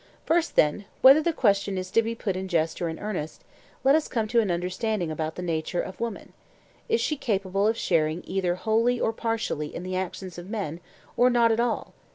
First, then, whether the question is to be put in jest or in earnest, let us come to an understanding about the nature of woman: Is she capable of sharing either wholly or partially in the actions of men, or not at all?